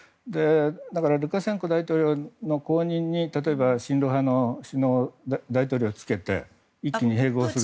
だからルカシェンコ大統領の後任に例えば、親ロ派の首脳大統領をつけて一気に併合して。